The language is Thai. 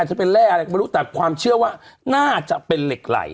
อาจจะเป็นอย่างแร่แต่ความเชื่อว่าน่าจะเป็นเหล็กไหล